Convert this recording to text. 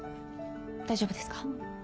大丈夫ですか？